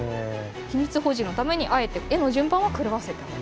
秘密保持のためにあえて絵の順番は狂わせてあると。